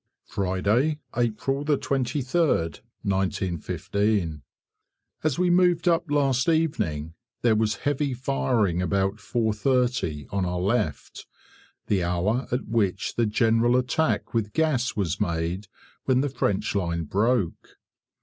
Friday, April 23rd, 1915. As we moved up last evening, there was heavy firing about 4.30 on our left, the hour at which the general attack with gas was made when the French line broke.